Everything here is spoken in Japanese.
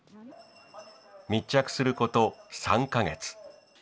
密着すること３か月。